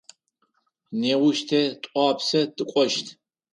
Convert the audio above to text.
Неущ тэ Тӏуапсэ тыкӏощт.